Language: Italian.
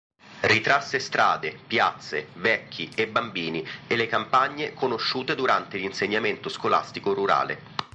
Ritrasse strade, piazze, vecchi e bambini e le campagne conosciute durante l'insegnamento scolastico rurale.